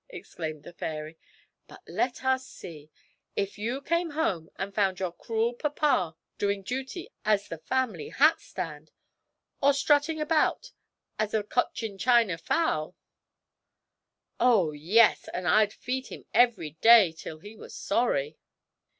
exclaimed the fairy; 'but, let us see if you came home and found your cruel papa doing duty as the family hatstand, or strutting about as a Cochin China fowl ' 'Oh, yes; and I'd feed him every day, till he was sorry!'